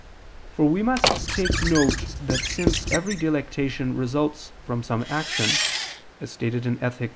For we must take note that since every delectation results from some action, as stated in _Ethic.